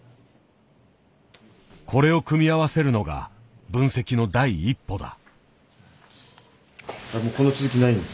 これを組み合わせるのが分析の第一歩だ。